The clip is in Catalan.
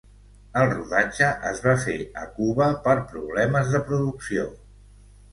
El rodatge es va fer a Cuba per problemes de producció.